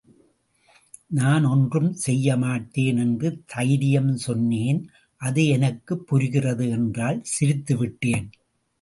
நான் ஒன்றும் செய்யமாட்டேன் என்று தைரியம் சொன்னேன், அது எனக்குப் புரிகிறது என்றாள் சிரித்துவிட்டேன்.